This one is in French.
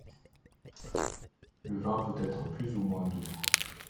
Le vin peut être plus ou moins doux.